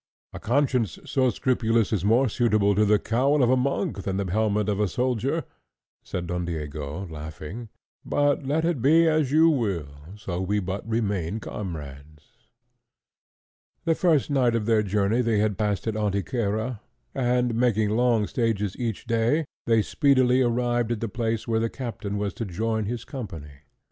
"A conscience so scrupulous is more suitable to the cowl of a monk than the helmet of a soldier," said Don Diego, laughing; "but let it be as you will, so we but remain comrades." The first night of their journey they had passed at Antequera, and making long stages each day, they speedily arrived at the place where the captain was to join his company.